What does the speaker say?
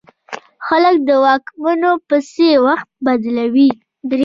خلک د واکمنو پسې وخت بدلوي.